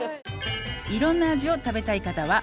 「色んな味を食べたい方は」